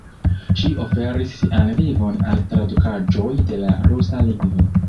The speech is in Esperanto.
Ŝi oferis sian vivon al tradukaĵoj de la rusa lingvo.